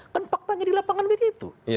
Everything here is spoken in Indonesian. kan faktanya di lapangan begitu